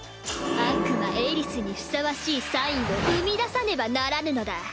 悪魔エリスにふさわしいサインを生み出さねばならぬのだ。